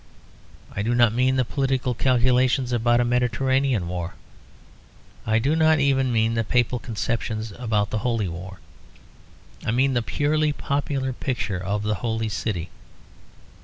I do not mean the political calculations about a Mediterranean war. I do not even mean the Papal conceptions about the Holy War. I mean the purely popular picture of the Holy City.